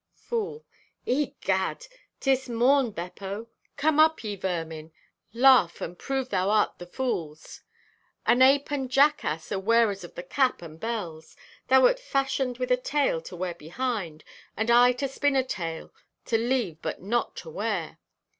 (Fool) "Eh, gad! 'Tis morn, Beppo. Come, up, ye vermin; laugh and prove thou art the fool's. An ape and jackass are wearers of the cap and bells. Thou wert fashioned with a tail to wear behind, and I to spin a tale to leave but not to wear.